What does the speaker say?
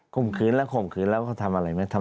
มขืนแล้วข่มขืนแล้วเขาทำอะไรไหม